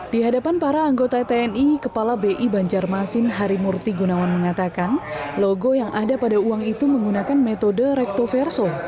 di hadapan para anggota tni kepala bi banjarmasin harimurti gunawan mengatakan logo yang ada pada uang itu menggunakan metode rektoverso